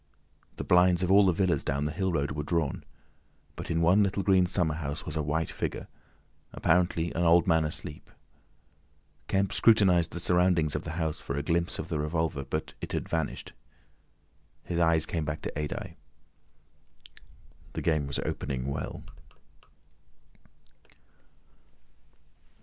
The blinds of all the villas down the hill road were drawn, but in one little green summer house was a white figure, apparently an old man asleep. Kemp scrutinised the surroundings of the house for a glimpse of the revolver, but it had vanished. His eyes came back to Adye. The game was opening well.